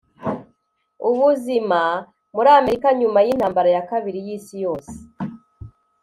ubuzima muri amerika nyuma yintambara ya kabiri yisi yose